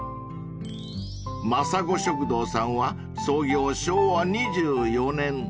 ［まさご食堂さんは創業昭和２４年］